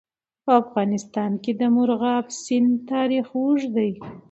په افغانستان کې د مورغاب سیند تاریخ اوږد دی.